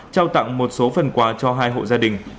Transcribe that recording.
trao tặng một số phần quà cho hai hộ gia đình